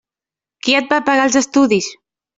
Qui et va pagar els estudis?